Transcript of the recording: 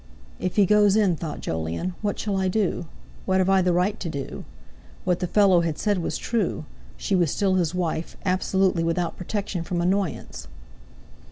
"If he goes in," thought Jolyon, "what shall I do? What have I the right to do?" What the fellow had said was true. She was still his wife, absolutely without protection from annoyance!